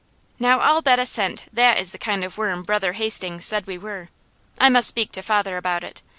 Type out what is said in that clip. Now I'll bet a cent THAT is the kind of worm Brother Hastings said we were. I must speak to father about it.